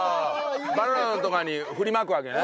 バラードとかに振りまくわけね。